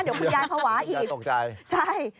เดี๋ยวคุณยายภาวะอีกใช่ยายตกใจ